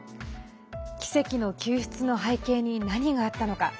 奇跡の救出の背景に何があったのか。